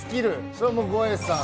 それはもうゴエさん